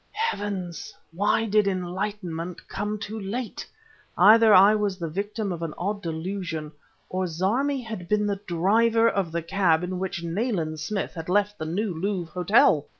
Heavens! why did enlightenment come too late! Either I was the victim of an odd delusion, or Zarmi had been the driver of the cab in which Nayland Smith had left the New Louvre Hotel!